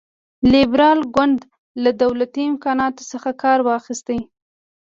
لېبرال ګوند له دولتي امکاناتو څخه کار واخیست.